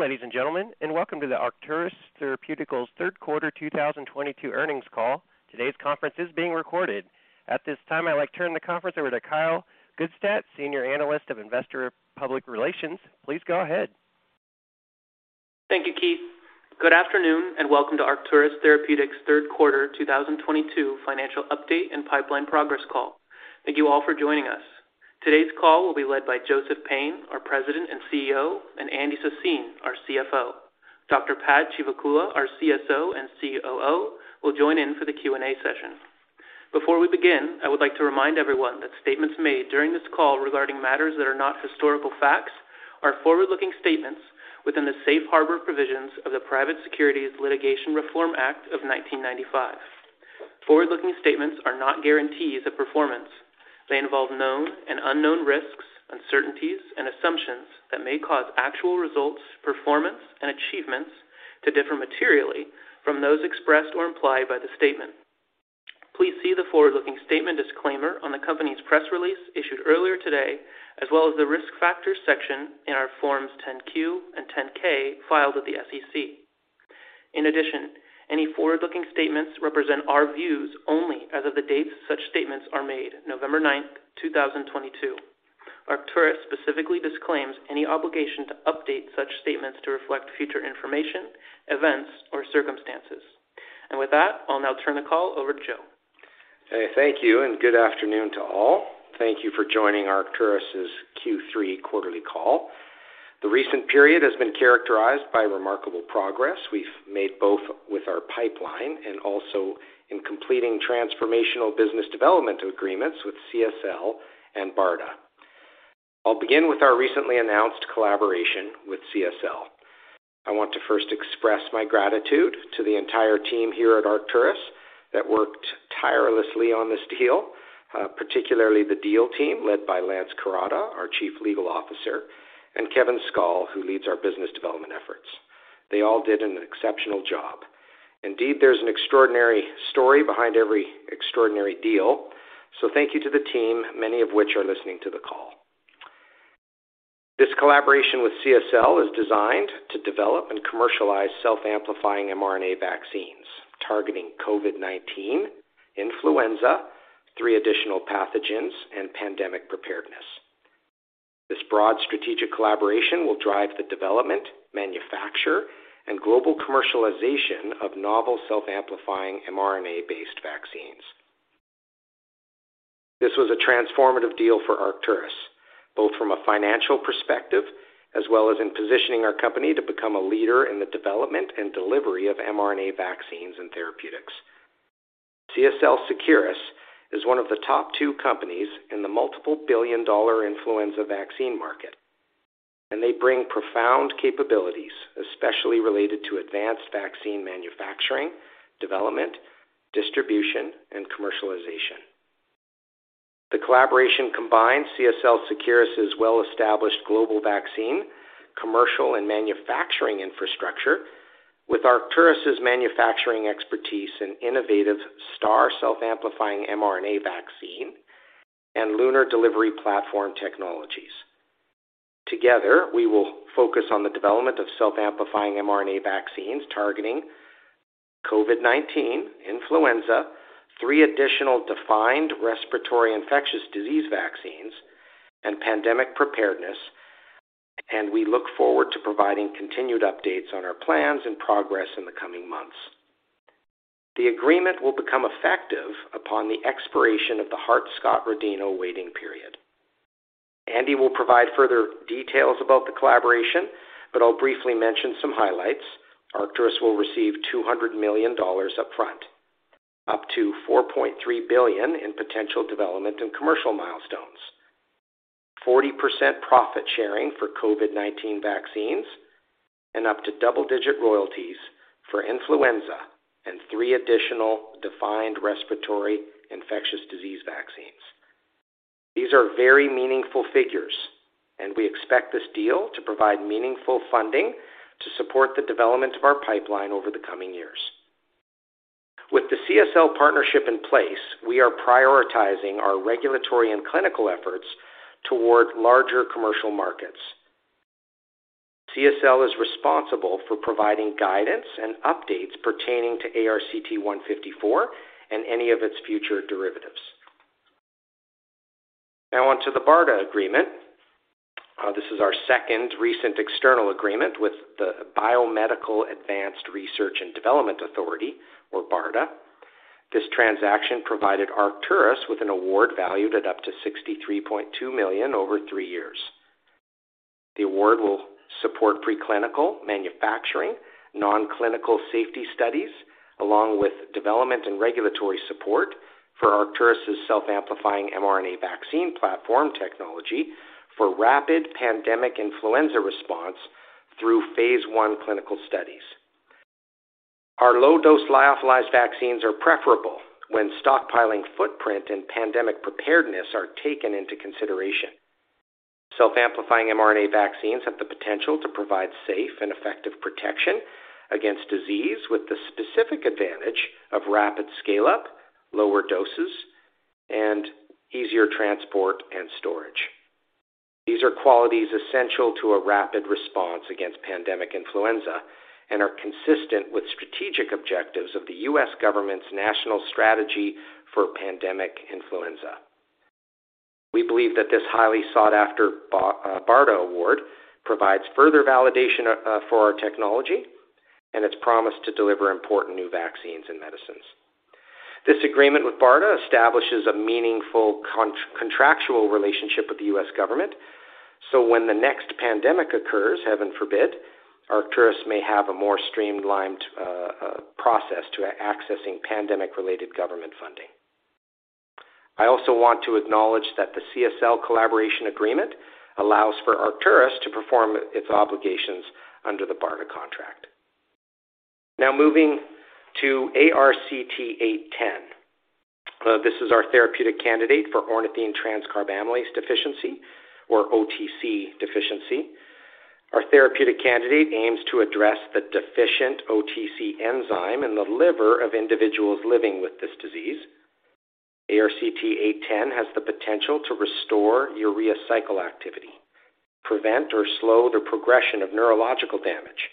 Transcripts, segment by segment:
Good day, ladies and gentlemen, and welcome to the Arcturus Therapeutics Third Quarter 2022 Earnings Call. Today's conference is being recorded. At this time, I'd like to turn the conference over to Kyle Gutstadt, Senior Analyst, Investor and Public Relations. Please go ahead. Thank you, Keith. Good afternoon and welcome to Arcturus Therapeutics third quarter 2022 financial update and pipeline progress call. Thank you all for joining us. Today's call will be led by Joseph Payne, our President and CEO, and Andy Sassine, our CFO. Dr. Pad Chivukula, our CSO and COO, will join in for the Q&A session. Before we begin, I would like to remind everyone that statements made during this call regarding matters that are not historical facts are forward-looking statements within the Safe Harbor provisions of the Private Securities Litigation Reform Act of 1995. Forward-looking statements are not guarantees of performance. They involve known and unknown risks, uncertainties, and assumptions that may cause actual results, performance, and achievements to differ materially from those expressed or implied by the statement. Please see the forward-looking statement disclaimer on the company's press release issued earlier today, as well as the Risk Factors section in our Forms 10-Q and 10-K filed with the SEC. In addition, any forward-looking statements represent our views only as of the dates such statements are made, November 9, 2022. Arcturus specifically disclaims any obligation to update such statements to reflect future information, events or circumstances. With that, I'll now turn the call over to Joe. Thank you and good afternoon to all. Thank you for joining Arcturus Q3 quarterly call. The recent period has been characterized by remarkable progress we've made both with our pipeline and also in completing transformational business development agreements with CSL and BARDA. I'll begin with our recently announced collaboration with CSL. I want to first express my gratitude to the entire team here at Arcturus that worked tirelessly on this deal, particularly the deal team led by Lance Kurata, our Chief Legal Officer, and Kevin Skol, who leads our business development efforts. They all did an exceptional job. Indeed, there's an extraordinary story behind every extraordinary deal, so thank you to the team, many of which are listening to the call. This collaboration with CSL is designed to develop and commercialize self-amplifying mRNA vaccines targeting COVID-19, influenza, three additional pathogens, and pandemic preparedness. This broad strategic collaboration will drive the development, manufacture, and global commercialization of novel self-amplifying mRNA-based vaccines. This was a transformative deal for Arcturus, both from a financial perspective as well as in positioning our company to become a leader in the development and delivery of mRNA vaccines and therapeutics. CSL Seqirus is one of the top two companies in the multi-billion-dollar influenza vaccine market, and they bring profound capabilities, especially related to advanced vaccine manufacturing, development, distribution, and commercialization. The collaboration combines CSL Seqirus' well-established global vaccine, commercial, and manufacturing infrastructure with Arcturus' manufacturing expertise in innovative STARR self-amplifying mRNA vaccine and LUNAR delivery platform technologies. Together, we will focus on the development of self-amplifying mRNA vaccines targeting COVID-19, influenza, three additional defined respiratory infectious disease vaccines, and pandemic preparedness, and we look forward to providing continued updates on our plans and progress in the coming months. The agreement will become effective upon the expiration of the Hart-Scott-Rodino waiting period. Andy will provide further details about the collaboration, but I'll briefly mention some highlights. Arcturus will receive $200 million upfront, up to $4.3 billion in potential development and commercial milestones, 40% profit sharing for COVID-19 vaccines, and up to double-digit royalties for influenza and three additional defined respiratory infectious disease vaccines. These are very meaningful figures, and we expect this deal to provide meaningful funding to support the development of our pipeline over the coming years. With the CSL partnership in place, we are prioritizing our regulatory and clinical efforts toward larger commercial markets. CSL is responsible for providing guidance and updates pertaining to ARCT-154 and any of its future derivatives. Now on to the BARDA agreement. This is our second recent external agreement with the Biomedical Advanced Research and Development Authority or BARDA. This transaction provided Arcturus with an award valued at up to $63.2 million over three-years. The award will support preclinical manufacturing, non-clinical safety studies, along with development and regulatory support for Arcturus' self-amplifying mRNA vaccine platform technology for rapid pandemic influenza response through Phase I clinical studies. Our low-dose lyophilized vaccines are preferable when stockpiling footprint and pandemic preparedness are taken into consideration. Self-amplifying mRNA vaccines have the potential to provide safe and effective protection against disease with the specific advantage of rapid scale-up, lower doses and easier transport and storage. These are qualities essential to a rapid response against pandemic influenza and are consistent with strategic objectives of the U.S. Government's National Strategy for Pandemic Influenza. We believe that this highly sought after BARDA award provides further validation for our technology and its promise to deliver important new vaccines and medicines. This agreement with BARDA establishes a meaningful contractual relationship with the U.S. Government, so when the next pandemic occurs, heaven forbid, Arcturus may have a more streamlined process to accessing pandemic-related government funding. I also want to acknowledge that the CSL collaboration agreement allows for Arcturus to perform its obligations under the BARDA contract. Now moving to ARCT-810. This is our therapeutic candidate for Ornithine Transcarbamylase deficiency or OTC deficiency. Our therapeutic candidate aims to address the deficient OTC enzyme in the liver of individuals living with this disease. ARCT-810 has the potential to restore urea cycle activity, prevent or slow the progression of neurological damage,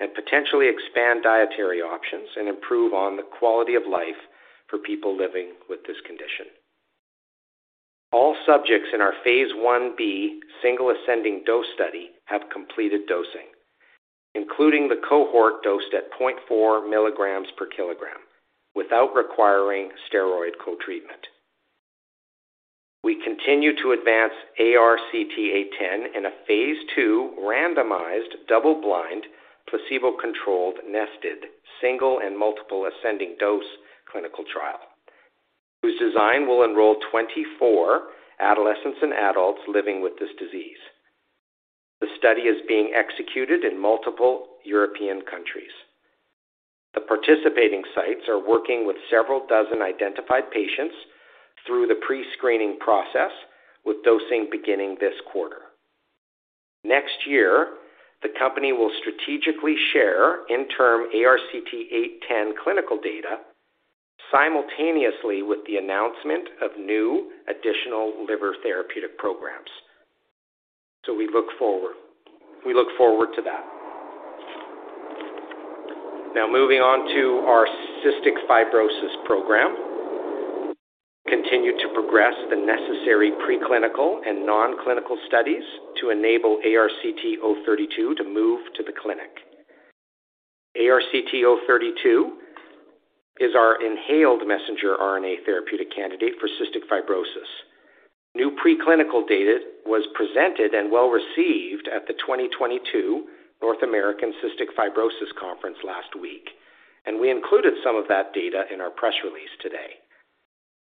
and potentially expand dietary options and improve on the quality of life for people living with this condition. All subjects in our Phase I-b single ascending dose study have completed dosing, including the cohort dosed at 0.4 mg/kg without requiring steroid co-treatment. We continue to advance ARCT-810 in a Phase II randomized double-blind, placebo-controlled, nested single and multiple ascending dose clinical trial, whose design will enroll 24 adolescents and adults living with this disease. The study is being executed in multiple European countries. The participating sites are working with several dozen identified patients through the pre-screening process with dosing beginning this quarter. Next year, the company will strategically share interim ARCT-810 clinical data simultaneously with the announcement of new additional liver therapeutic programs. We look forward to that. Now moving on to our Cystic Fibrosis program. We continue to progress the necessary preclinical and non-clinical studies to enable ARCT-032 to move to the clinic. ARCT-032 is our inhaled messenger RNA therapeutic candidate for Cystic Fibrosis. New preclinical data was presented and well-received at the 2022 North American Cystic Fibrosis Conference last week, and we included some of that data in our press release today.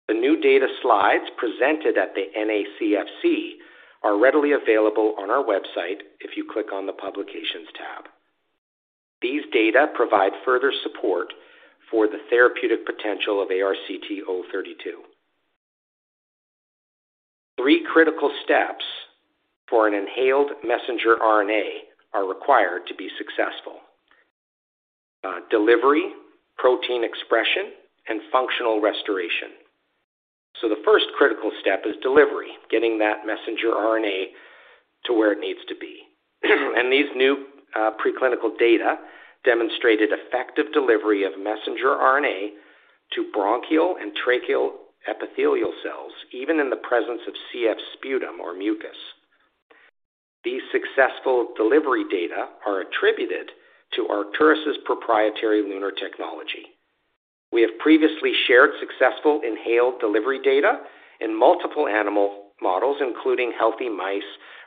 The new data slides presented at the NACFC are readily available on our website if you click on the Publications tab. These data provide further support for the therapeutic potential of ARCT-032. Three critical steps for an inhaled messenger RNA are required to be successful, delivery, protein expression, and functional restoration. The first critical step is delivery, getting that messenger RNA to where it needs to be. These new preclinical data demonstrated effective delivery of messenger RNA to bronchial and tracheal epithelial cells, even in the presence of CF sputum or mucus. These successful delivery data are attributed to Arcturus' proprietary LUNAR technology. We have previously shared successful inhaled delivery data in multiple animal models, including healthy mice,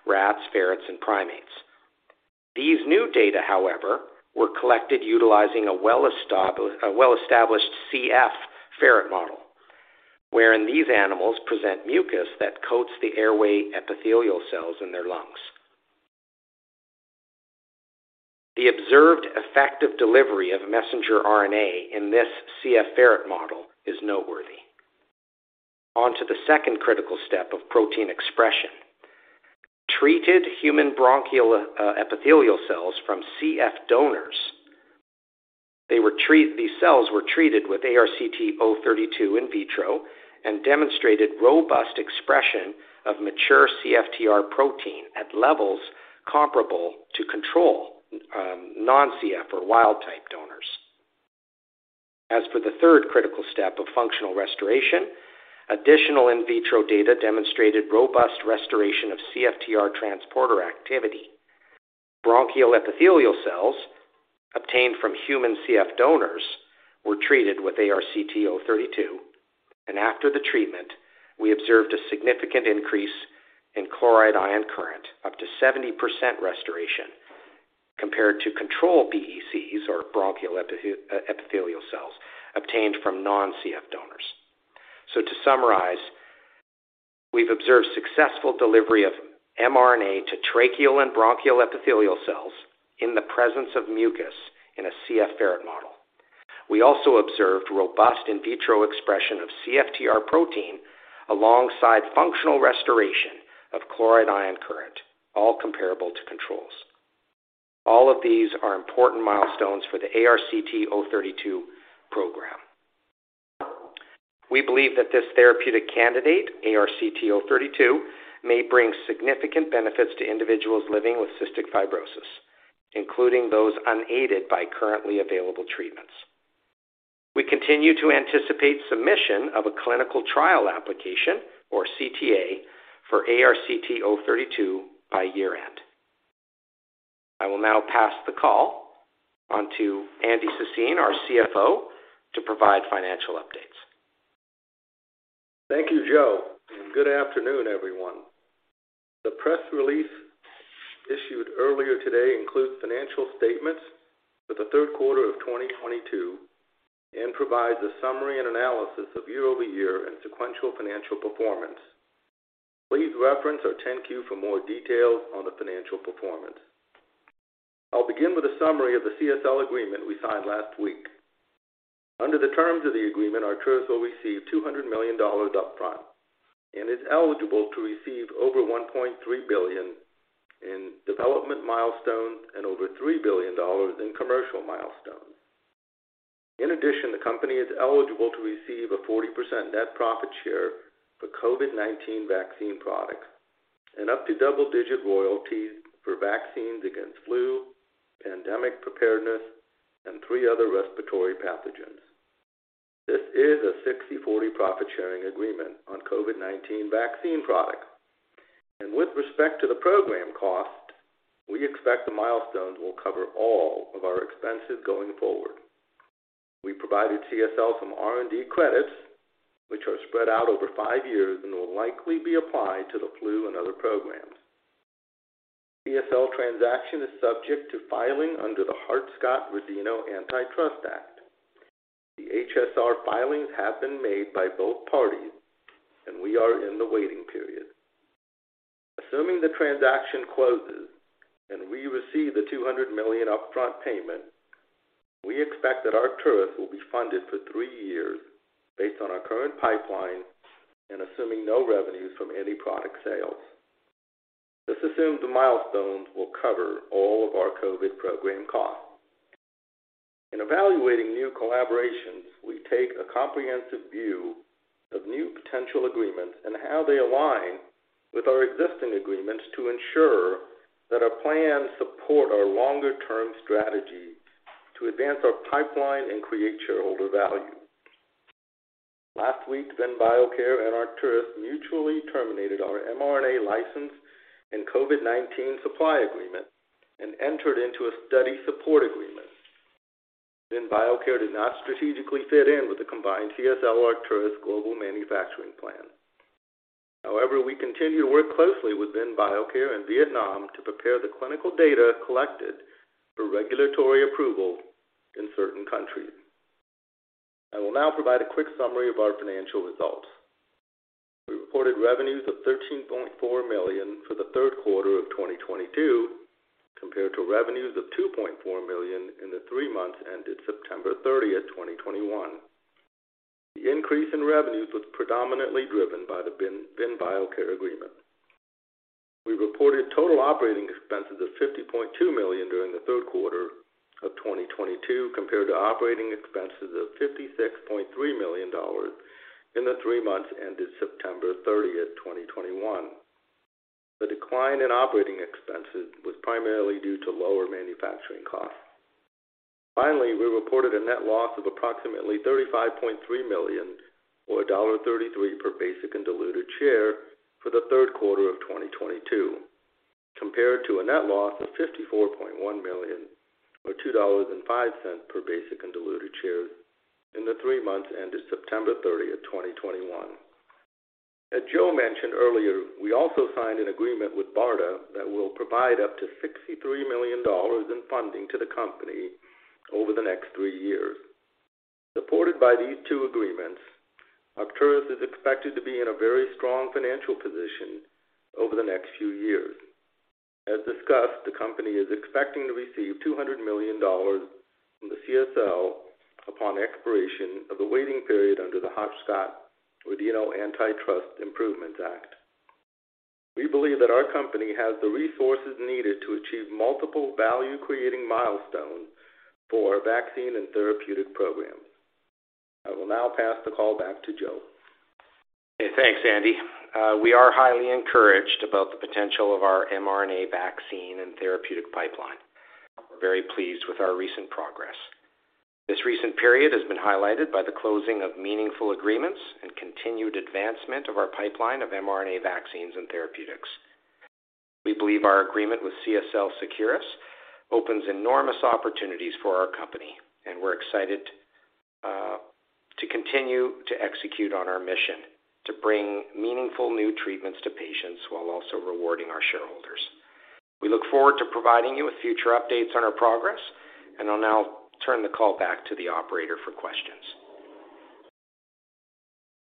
rats, ferrets, and primates. These new data, however, were collected utilizing a well-established CF ferret model wherein these animals present mucus that coats the airway epithelial cells in their lungs. The observed effective delivery of messenger RNA in this CF ferret model is noteworthy. On to the second critical step of protein expression. Treated human bronchial epithelial cells from CF donors, these cells were treated with ARCT-032 in vitro and demonstrated robust expression of mature CFTR protein at levels comparable to control, non-CF or wild type donors. As for the third critical step of functional restoration, additional in vitro data demonstrated robust restoration of CFTR transporter activity. Bronchial epithelial cells obtained from human CF donors were treated with ARCT-032, and after the treatment, we observed a significant increase in chloride ion current, up to 70% restoration compared to control BECs, or Bronchial Epithelial Cells, obtained from non-CF donors. To summarize, we've observed successful delivery of mRNA to tracheal and bronchial epithelial cells in the presence of mucus in a CF ferret model. We also observed robust in vitro expression of CFTR protein alongside functional restoration of chloride ion current, all comparable to controls. All of these are important milestones for the ARCT-032 program. We believe that this therapeutic candidate, ARCT-032, may bring significant benefits to individuals living with Cystic Fibrosis, including those unaided by currently available treatments. We continue to anticipate submission of a clinical trial application or CTA for ARCT-032 by year-end. I will now pass the call on to Andy Sassine, our CFO, to provide financial updates. Thank you, Joe, and good afternoon, everyone. The press release issued earlier today includes financial statements for the third quarter of 2022 and provides a summary and analysis of year-over-year and sequential financial performance. Please reference our 10-Q for more details on the financial performance. I'll begin with a summary of the CSL agreement we signed last week. Under the terms of the agreement, Arcturus will receive $200 million upfront and is eligible to receive over $1.3 billion in development milestones and over $3 billion in commercial milestones. In addition, the company is eligible to receive a 40% net profit share for COVID-19 vaccine products and up to double-digit royalties for vaccines against flu, pandemic preparedness, and three other respiratory pathogens. This is a 60/40 profit-sharing agreement on COVID-19 vaccine products. With respect to the program cost, we expect the milestones will cover all of our expenses going forward. We provided CSL some R&D credits, which are spread out over five years and will likely be applied to the flu and other programs. CSL transaction is subject to filing under the Hart-Scott-Rodino Antitrust Act. The HSR filings have been made by both parties, and we are in the waiting period. Assuming the transaction closes and we receive the $200 million upfront payment, we expect that Arcturus will be funded for three years based on our current pipeline and assuming no revenues from any product sales. This assumes the milestones will cover all of our COVID program costs. In evaluating new collaborations, we take a comprehensive view of new potential agreements and how they align with our existing agreements to ensure that our plans support our longer-term strategy to advance our pipeline and create shareholder value. Last week, VinBiocare and Arcturus mutually terminated our mRNA license and COVID-19 supply agreement and entered into a study support agreement. VinBiocare did not strategically fit in with the combined CSL Arcturus global manufacturing plan. However, we continue to work closely with VinBiocare in Vietnam to prepare the clinical data collected for regulatory approval in certain countries. I will now provide a quick summary of our financial results. We reported revenues of $13.4 million for the third quarter of 2022, compared to revenues of $2.4 million in the three months ended September 30, 2021. The increase in revenues was predominantly driven by the VinBiocare agreement. We reported total operating expenses of $50.2 million during the third quarter of 2022, compared to operating expenses of $56.3 million in the three months ended September 30, 2021. The decline in operating expenses was primarily due to lower manufacturing costs. Finally, we reported a net loss of approximately $35.3 million or $1.33 per basic and diluted share for the third quarter of 2022, compared to a net loss of $54.1 million or $2.05 per basic and diluted shares in the three months ended September 30, 2021. As Joe mentioned earlier, we also signed an agreement with BARDA that will provide up to $63 million in funding to the company over the next three years. Supported by these two agreements, Arcturus is expected to be in a very strong financial position over the next few years. As discussed, the company is expecting to receive $200 million from the CSL upon expiration of the waiting period under the Hart-Scott-Rodino Antitrust Improvements Act. We believe that our company has the resources needed to achieve multiple value-creating milestones for our vaccine and therapeutic programs. I will now pass the call back to Joe. Thanks, Andy. We are highly encouraged about the potential of our mRNA vaccine and therapeutic pipeline. We're very pleased with our recent progress. This recent period has been highlighted by the closing of meaningful agreements and continued advancement of our pipeline of mRNA vaccines and therapeutics. We believe our agreement with CSL Seqirus opens enormous opportunities for our company, and we're excited to continue to execute on our mission to bring meaningful new treatments to patients while also rewarding our shareholders. We look forward to providing you with future updates on our progress, and I'll now turn the call back to the operator for questions.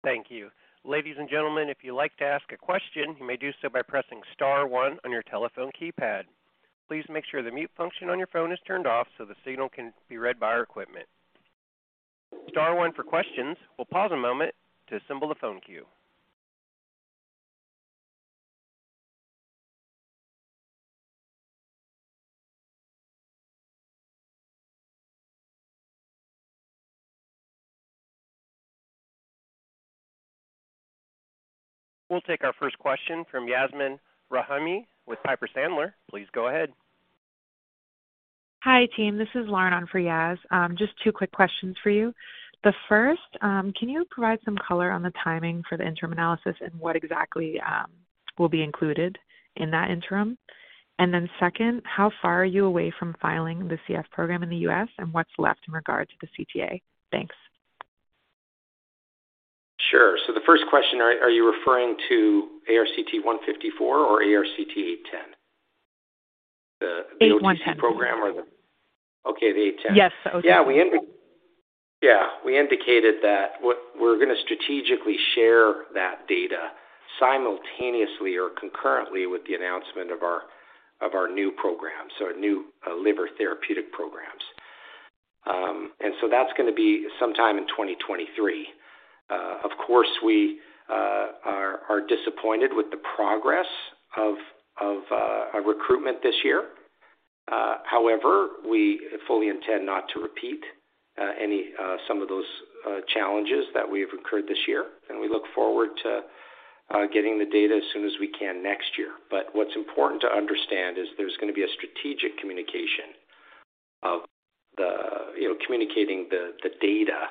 Thank you. Ladies and gentlemen, if you'd like to ask a question, you may do so by pressing star one on your telephone keypad. Please make sure the mute function on your phone is turned off so the signal can be read by our equipment. Star one for questions. We'll pause a moment to assemble the phone queue. We'll take our first question from Yasmeen Rahimi with Piper Sandler. Please go ahead. Hi, team. This is Lauren on for Yas. Just two quick questions for you. The first, can you provide some color on the timing for the interim analysis and what exactly will be included in that interim? Second, how far are you away from filing the CF program in the U.S., and what's left in regards to the CTA? Thanks. Sure. The first question, are you referring to ARCT-154 or ARCT-810? The OTC program or the- 810. Okay, the 810. Yes. We indicated that what we're gonna strategically share that data simultaneously or concurrently with the announcement of our new program. Our new liver therapeutic programs. That's gonna be sometime in 2023. Of course, we are disappointed with the progress of our recruitment this year. However, we fully intend not to repeat any some of those challenges that we have incurred this year, and we look forward to getting the data as soon as we can next year. What's important to understand is there's gonna be a strategic communication of the, you know, communicating the data,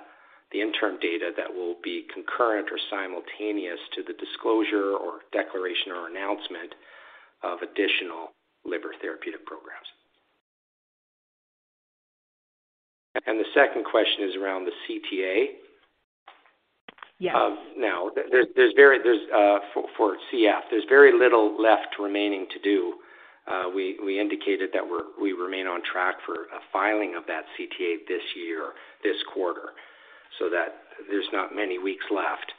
the interim data that will be concurrent or simultaneous to the disclosure or declaration or announcement of additional liver therapeutic programs. The second question is around the CTA? Yes. Now there's very little left remaining to do for CF. We indicated that we remain on track for a filing of that CTA this year, this quarter, so that there's not many weeks left.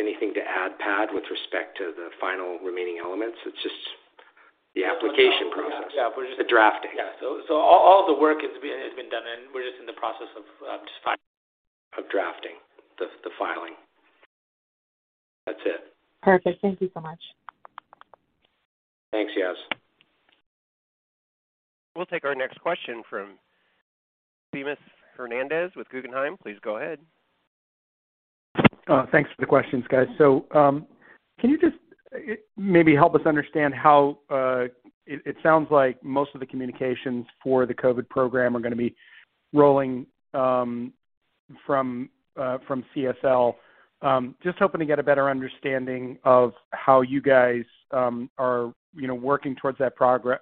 Anything to add, Pad, with respect to the final remaining elements? It's just the application process. Yeah. The drafting. Yeah. All the work has been done, and we're just in the process of. Of drafting the filing. That's it. Perfect. Thank you so much. Thanks, Yas. We'll take our next question from Seamus Fernandez with Guggenheim. Please go ahead. Thanks for the questions, guys. Can you just maybe help us understand how it sounds like most of the communications for the COVID program are gonna be rolling from CSL. Just hoping to get a better understanding of how you guys are, you know, working towards that progress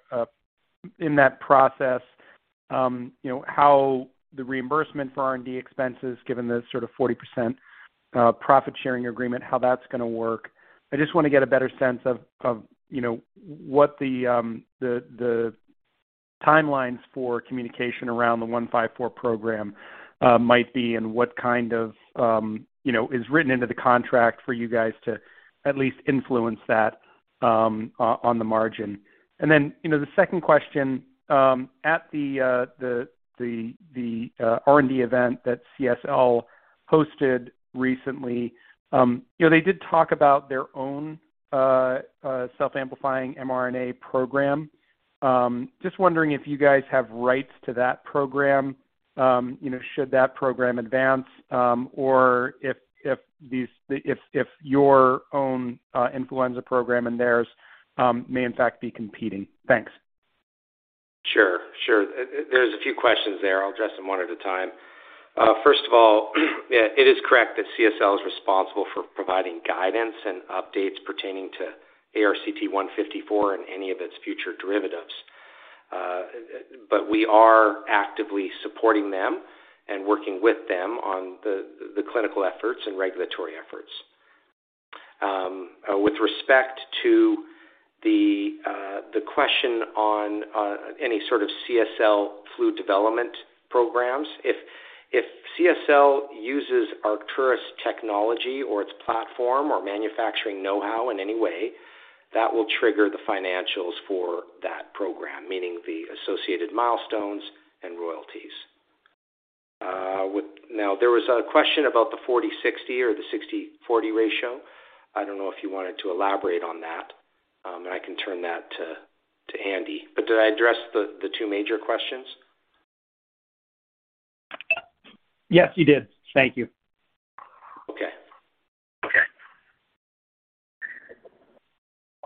in that process, you know, how the reimbursement for R&D expenses, given the sort of 40% profit sharing agreement, how that's gonna work. I just wanna get a better sense of, you know, what the timelines for communication around the 154 program might be and what kind of, you know, is written into the contract for you guys to at least influence that on the margin. You know, the second question, at the R&D event that CSL hosted recently, you know, they did talk about their own self-amplifying mRNA program. Just wondering if you guys have rights to that program, you know, should that program advance, or if these, if your own influenza program and theirs may in fact be competing. Thanks. Sure, sure. There's a few questions there. I'll address them one at a time. First of all, yeah, it is correct that CSL is responsible for providing guidance and updates pertaining to ARCT-154 and any of its future derivatives. But we are actively supporting them and working with them on the clinical efforts and regulatory efforts. With respect to the question on any sort of CSL flu development programs, if CSL uses Arcturus technology or its platform or manufacturing know-how in any way, that will trigger the financials for that program, meaning the associated milestones and royalties. Now, there was a question about the 40-60 or the 60-40 ratio. I don't know if you wanted to elaborate on that, and I can turn that to Andy. Did I address the two major questions? Yes, you did. Thank you. Okay. Okay.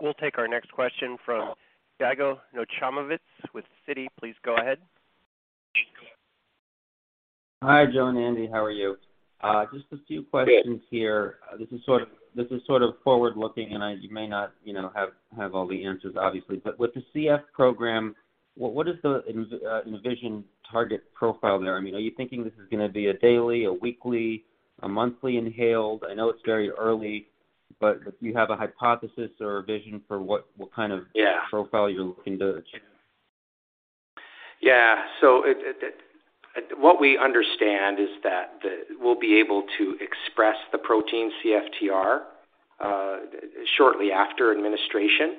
We'll take our next question from Yigal Nochomovitz with Citi. Please go ahead. Hi, Joe and Andy. How are you? Just a few questions here. This is sort of forward-looking, and you may not, you know, have all the answers, obviously. With the CF program, what is the envision target profile there? I mean, are you thinking this is gonna be a daily, a weekly, a monthly inhaled? I know it's very early, but if you have a hypothesis or a vision for what kind of Yeah. Profile you're looking to achieve. What we understand is that we'll be able to express the protein CFTR shortly after administration.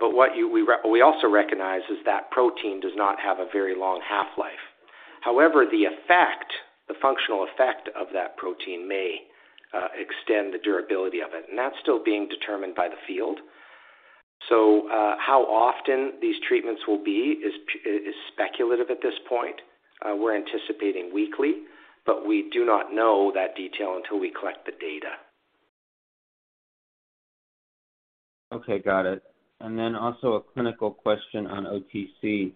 What we also recognize is that protein does not have a very long half-life. However, the effect, the functional effect of that protein may extend the durability of it, and that's still being determined by the field. How often these treatments will be is speculative at this point. We're anticipating weekly, but we do not know that detail until we collect the data. Okay, got it. Also a clinical question on OTC.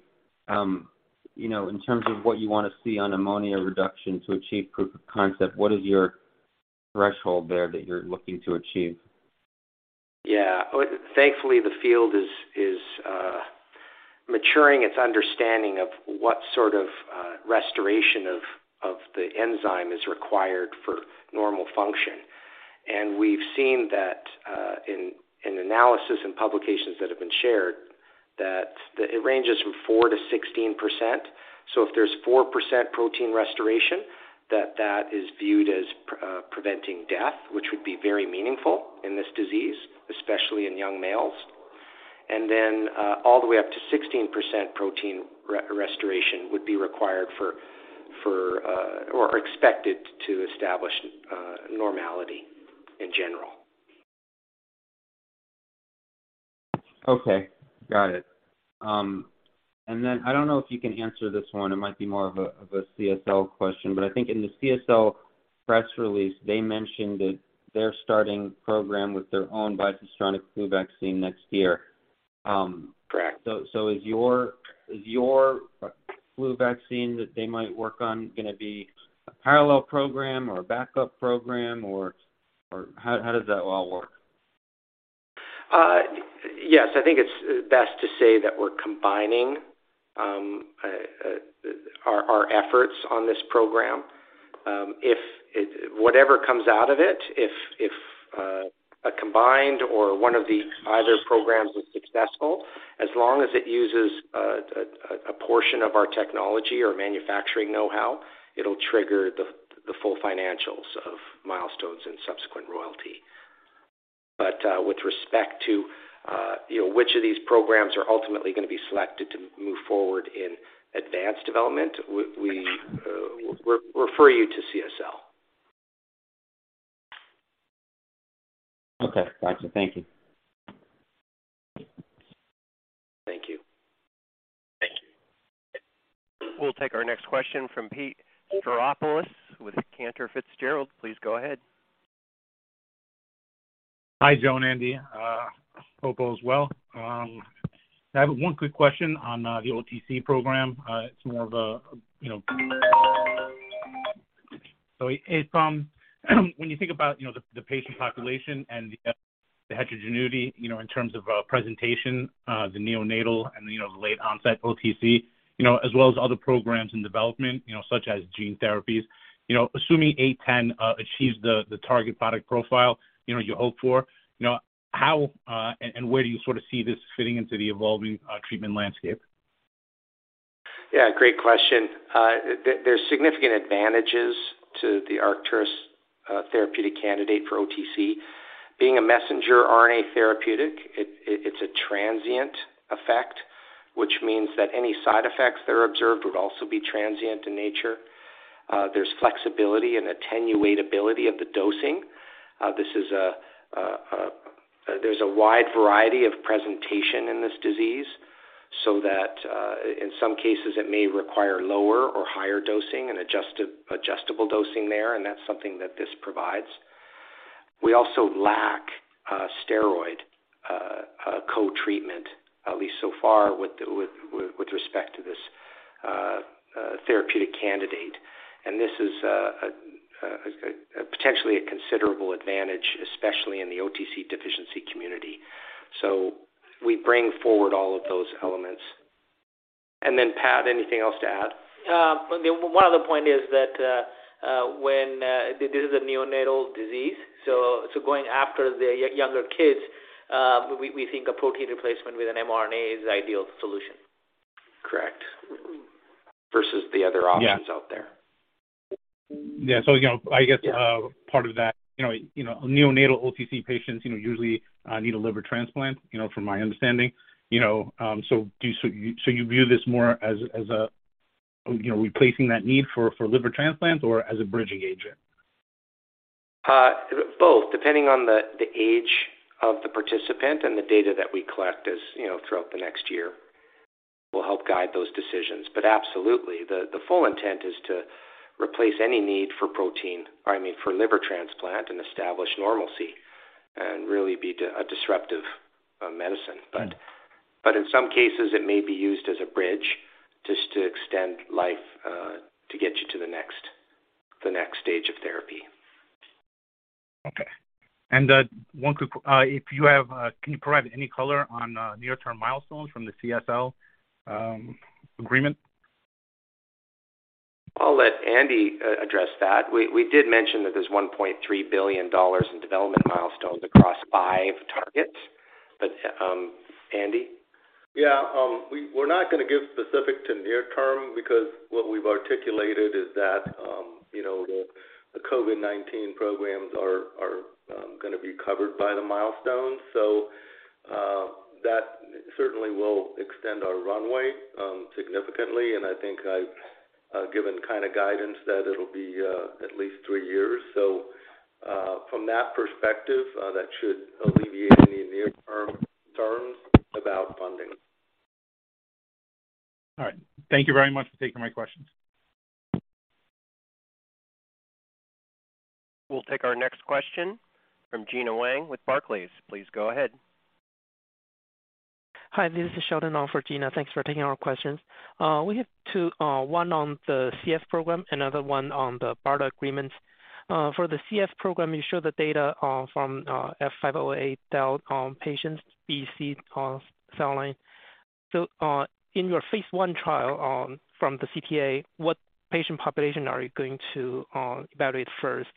You know, in terms of what you wanna see on ammonia reduction to achieve proof of concept, what is your threshold there that you're looking to achieve? Well, thankfully, the field is maturing its understanding of what sort of restoration of the enzyme is required for normal function. We've seen that in analysis and publications that have been shared, that it ranges from 4%-16%. If there's 4% protein restoration, that is viewed as preventing death, which would be very meaningful in this disease, especially in young males. Then, all the way up to 16% protein restoration would be required for or expected to establish normality in general. Okay, got it. I don't know if you can answer this one, it might be more of a CSL question, but I think in the CSL press release, they mentioned that they're starting program with their own bivalent flu vaccine next year. Correct. Is your flu vaccine that they might work on gonna be a parallel program or a backup program or how does that all work? Yes. I think it's best to say that we're combining our efforts on this program. Whatever comes out of it, if a combined or one of the either programs is successful, as long as it uses a portion of our technology or manufacturing know-how, it'll trigger the full financials of milestones and subsequent royalty. With respect to you know which of these programs are ultimately gonna be selected to move forward in advanced development, we refer you to CSL. Okay. Got you. Thank you. Thank you. Thank you. We'll take our next question from Pete Stavropoulos with Cantor Fitzgerald. Please go ahead. Hi, Joe and Andy. Hope all is well. I have one quick question on the OTC program. It's more of a, you know, so if when you think about, you know, the patient population and the heterogeneity, you know, in terms of presentation, the neonatal and, you know, the late onset OTC, you know, as well as other programs in development, you know, such as gene therapies. You know, assuming ARCT-810 achieves the target product profile you hope for, you know, how and where do you sort of see this fitting into the evolving treatment landscape? Yeah, great question. There's significant advantages to the Arcturus therapeutic candidate for OTC. Being a messenger RNA therapeutic, it's a transient effect, which means that any side effects that are observed would also be transient in nature. There's flexibility and attenuatability of the dosing. This is a... There's a wide variety of presentation in this disease, so that in some cases it may require lower or higher dosing and adjustable dosing there, and that's something that this provides. We also lack a steroid co-treatment, at least so far, with respect to this therapeutic candidate. This is potentially a considerable advantage, especially in the OTC deficiency community. We bring forward all of those elements. Pad, anything else to add? One other point is that when this is a neonatal disease, so going after the younger kids, we think a protein replacement with an mRNA is the ideal solution. Correct. Versus the other options. Yeah. out there. Yeah. You know, I guess part of that, you know, neonatal OTC patients usually need a liver transplant, you know, from my understanding. Do you view this more as a you know, replacing that need for liver transplants or as a bridging agent? Both, depending on the age of the participant and the data that we collect, you know, throughout the next year will help guide those decisions. Absolutely, the full intent is to replace any need for protein or, I mean, for liver transplant and establish normalcy and really be a disruptive medicine. Mm-hmm. In some cases it may be used as a bridge just to extend life, to get you to the next stage of therapy. Okay. One quick, if you have, can you provide any color on near-term milestones from the CSL agreement? I'll let Andy address that. We did mention that there's $1.3 billion in development milestones across five targets. Andy? Yeah. We're not gonna give specific to near term because what we've articulated- That's the COVID-19 programs are gonna be covered by the milestones. That certainly will extend our runway significantly. I think I've given kind of guidance that it'll be at least three-years. From that perspective, that should alleviate any near-term concerns about funding. All right. Thank you very much for taking my questions. We'll take our next question from Gena Wang with Barclays. Please go ahead. Hi, this is Sheldon, on for Gena. Thanks for taking our questions. We have two, one on the CF program, another one on the BARDA agreements. For the CF program, you show the data from F508del patient's BECs cell line. In your phase 1 trial, from the CTA, what patient population are you going to evaluate first?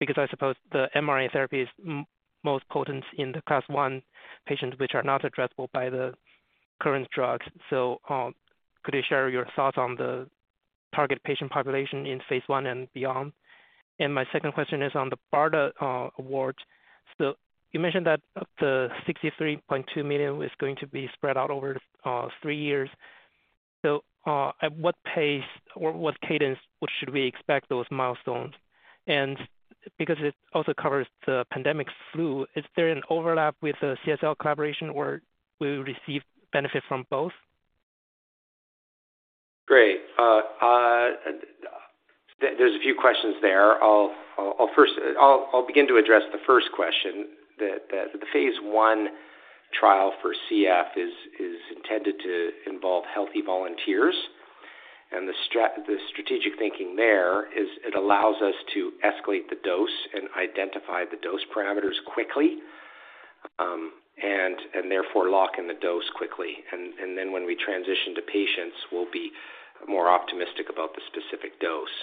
Because I suppose the mRNA therapy is most potent in the Class I patients, which are not addressable by the current drugs. Could you share your thoughts on the target patient population in Phase I and beyond? My second question is on the BARDA award. You mentioned that up to $63.2 million was going to be spread out over three years. At what pace or what cadence, what should we expect those milestones? Because it also covers the pandemic flu, is there an overlap with the CSL collaboration, or we will receive benefit from both? Great. There's a few questions there. I'll first begin to address the first question. The Phase I trial for CF is intended to involve healthy volunteers. The strategic thinking there is it allows us to escalate the dose and identify the dose parameters quickly, and therefore lock in the dose quickly. When we transition to patients, we'll be more optimistic about the specific dose.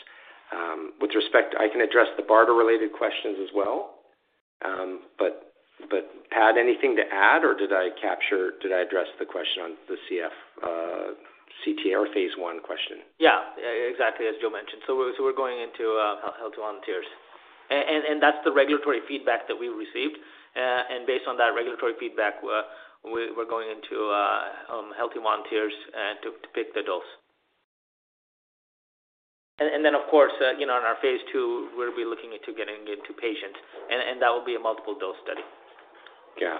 With respect, I can address the BARDA-related questions as well. Pad, anything to add, or did I capture or did I address the question on the CF CTA or Phase I question? Yeah. Exactly as Joe mentioned. We're going into healthy volunteers. That's the regulatory feedback that we received. Based on that regulatory feedback, we're going into healthy volunteers to pick the dose. Of course, you know, in our Phase II, we'll be looking into getting into patients. That will be a multiple dose study. Yeah.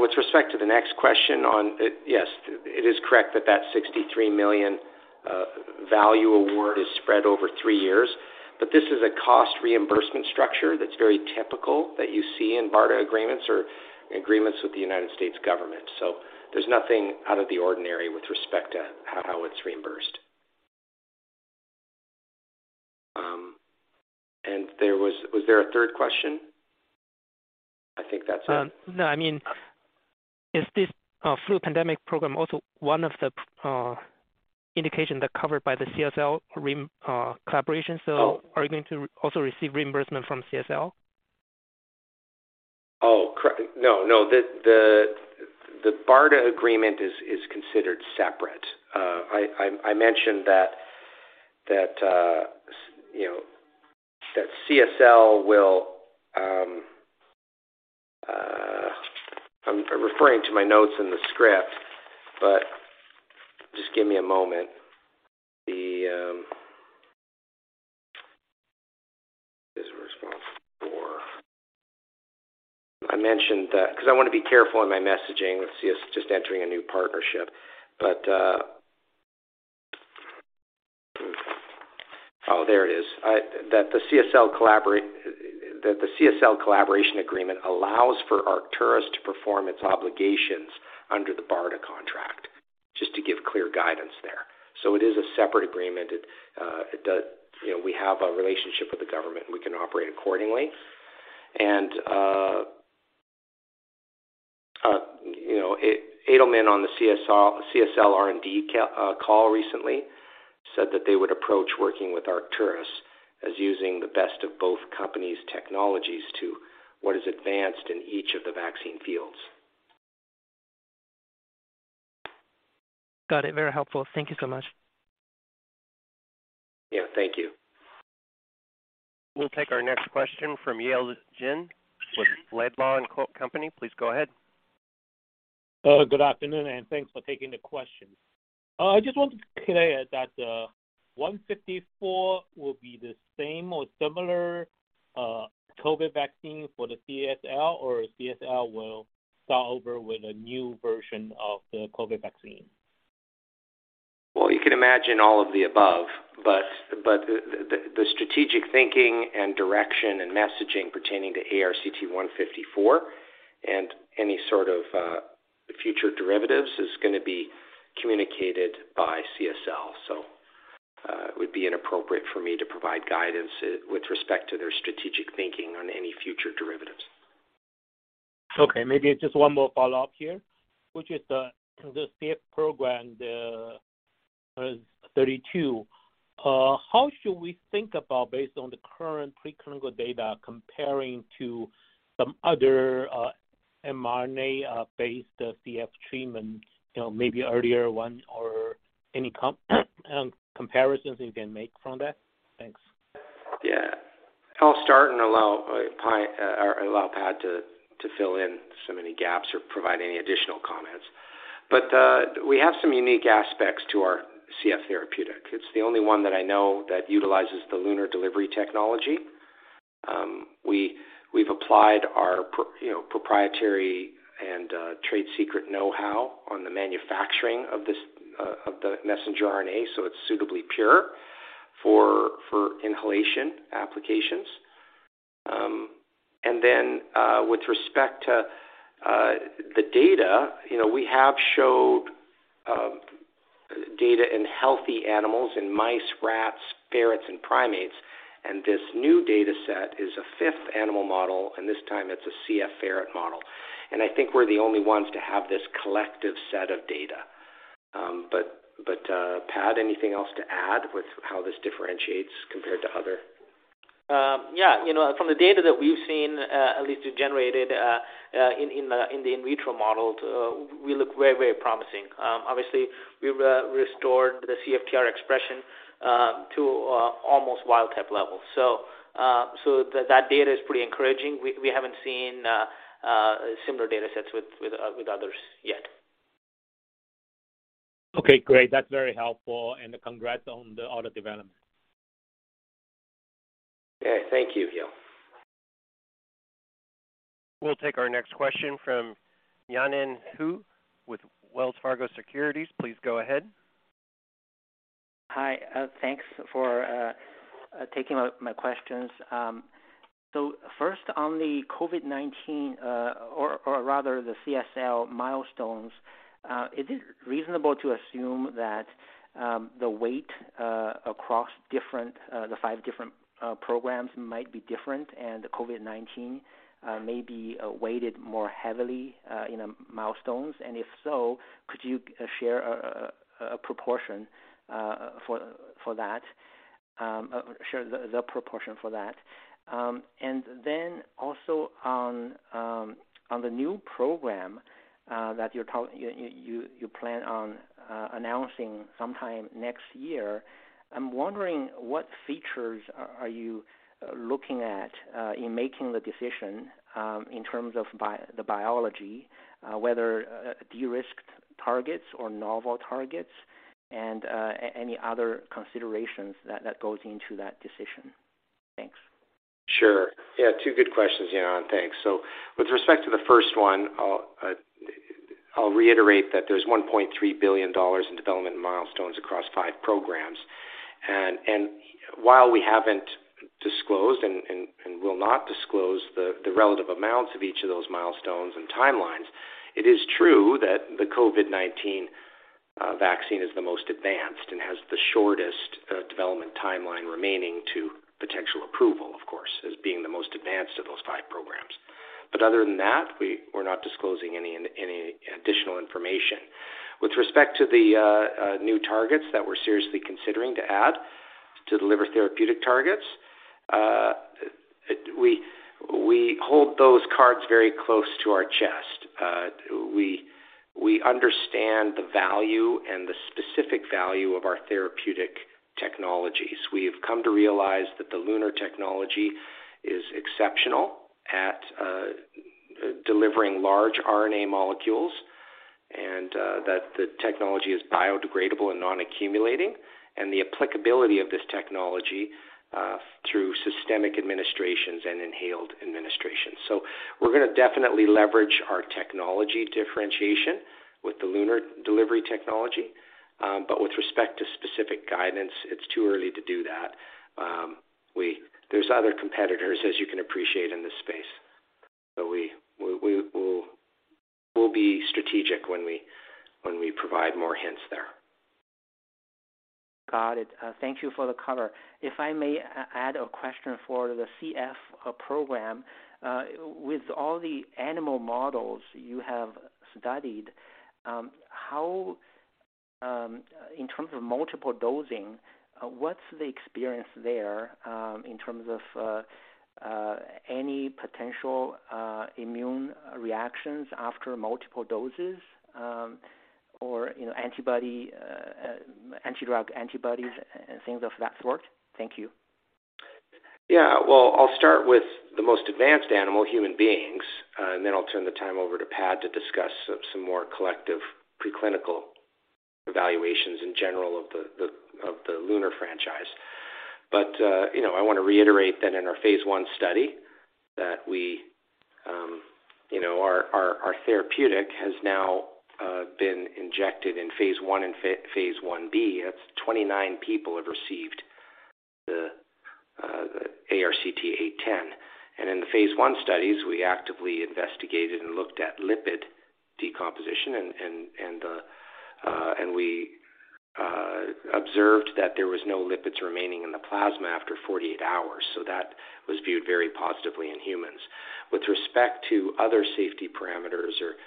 With respect to the next question on, yes, it is correct that $63 million value award is spread over three years. This is a cost reimbursement structure that's very typical that you see in BARDA agreements or agreements with the United States Government. There's nothing out of the ordinary with respect to how it's reimbursed. Was there a third question? I think that's it. No. I mean, is this flu pandemic program also one of the indications that's covered by the CSL collaboration? Oh. Are you going to also receive reimbursement from CSL? No, the BARDA agreement is considered separate. I mentioned that, you know, that CSL will. I'm referring to my notes in the script, but just give me a moment. I mentioned that because I want to be careful in my messaging with CS just entering a new partnership. That the CSL collaboration agreement allows for Arcturus to perform its obligations under the BARDA contract, just to give clear guidance there. So it is a separate agreement. You know, we have a relationship with the government. We can operate accordingly. you know, Bill Mezzanotte on the CSL R&D call recently said that they would approach working with Arcturus as using the best of both companies' technologies to what is advanced in each of the vaccine fields. Got it. Very helpful. Thank you so much. Yeah, thank you. We'll take our next question from Yale Jen with Laidlaw & Company. Please go ahead. Good afternoon, and thanks for taking the question. I just want to be clear that 154 will be the same or similar COVID vaccine for the CSL, or CSL will start over with a new version of the COVID vaccine? Well, you can imagine all of the above, but the strategic thinking and direction and messaging pertaining to ARCT-154 and any sort of future derivatives is gonna be communicated by CSL. It would be inappropriate for me to provide guidance with respect to their strategic thinking on any future derivatives. Okay. Maybe just one more follow-up here. Which is the CF program, the ARCT-032, how should we think about based on the current preclinical data comparing to some other mRNA and mRNA based CF treatment, you know, maybe earlier one or any comparisons you can make from that? Thanks. Yeah. I'll start and allow Pad to fill in so many gaps or provide any additional comments. We have some unique aspects to our CF therapeutic. It's the only one that I know that utilizes the LUNAR delivery technology. We've applied our proprietary and trade secret know-how on the manufacturing of the messenger RNA, so it's suitably pure for inhalation applications. With respect to the data, you know, we have showed data in healthy animals in mice, rats, ferrets, and primates. This new data set is a fifth animal model, and this time it's a CF ferret model. I think we're the only ones to have this collective set of data. Pad, anything else to add with how this differentiates compared to other? Yeah. You know, from the data that we've seen, at least generated in the in vitro models, we look very, very promising. Obviously, we've restored the CFTR expression to almost wild type levels. That data is pretty encouraging. We haven't seen similar data sets with others yet. Okay, great. That's very helpful, and congrats on the other development. Okay, thank you, Yale Jen. We'll take our next question from Yanan Zhu with Wells Fargo Securities. Please go ahead. Hi, thanks for taking my questions. So first on the COVID-19, or rather the CSL milestones, is it reasonable to assume that the weight across different, the five different programs might be different and the COVID-19 may be weighted more heavily in the milestones? If so, could you share a proportion for that? Then also on the new program that you plan on announcing sometime next year, I'm wondering what features are you looking at in making the decision in terms of the biology, whether de-risked targets or novel targets and any other considerations that goes into that decision? Thanks. Sure. Yeah, two good questions, Yanan. Thanks. With respect to the first one, I'll reiterate that there's $1.3 billion in development milestones across five programs. While we haven't disclosed and will not disclose the relative amounts of each of those milestones and timelines, it is true that the COVID-19 vaccine is the most advanced and has the shortest development timeline remaining to potential approval, of course, as being the most advanced of those five programs. Other than that, we're not disclosing any additional information. With respect to the new targets that we're seriously considering to add to the liver therapeutic targets, we hold those cards very close to our chest. We understand the value and the specific value of our therapeutic technologies. We have come to realize that the LUNAR technology is exceptional at delivering large mRNA molecules, and that the technology is biodegradable and non-accumulating, and the applicability of this technology through systemic administrations and inhaled administrations. We're gonna definitely leverage our technology differentiation with the LUNAR delivery technology. With respect to specific guidance, it's too early to do that. There are other competitors, as you can appreciate, in this space. We'll be strategic when we provide more hints there. Got it. Thank you for the color. If I may add a question for the CF program. With all the animal models you have studied, in terms of multiple dosing, what's the experience there, in terms of any potential immune reactions after multiple doses, or, you know, anti-drug antibodies and things of that sort? Thank you. Yeah. Well, I'll start with the most advanced animal, human beings, and then I'll turn the time over to Pad to discuss some more collective preclinical evaluations in general of the LUNAR franchise. I wanna reiterate that in our Phase I study that we, you know, our therapeutic has now been injected in Phase I and phase I-B. That's 29 people have received the ARCT-810. And in the Phase I studies, we actively investigated and looked at lipid disposition and we observed that there was no lipids remaining in the plasma after 48 hours. So that was viewed very positively in humans. With respect to other safety parameters or,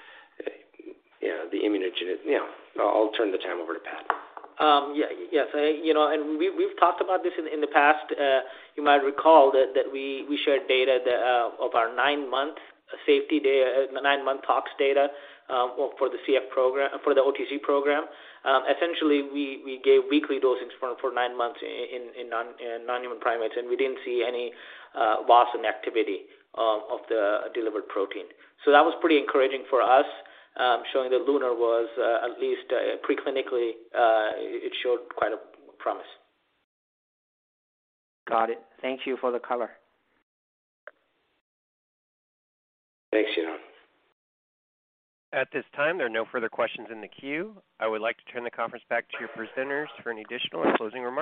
you know, the immunogenic. You know, I'll turn the time over to Pad. Yeah. Yes. You know, we've talked about this in the past. You might recall that we shared data of our nine-month safety data, nine-month tox data, for the CF program, for the OTC program. Essentially, we gave weekly dosing's for nine months in non-human primates, and we didn't see any loss in activity of the delivered protein. That was pretty encouraging for us, showing that LUNAR was, at least, pre-clinically, it showed quite a promise. Got it. Thank you for the color. Thanks, Yanan. At this time, there are no further questions in the queue. I would like to turn the conference back to your presenters for any additional or closing remarks.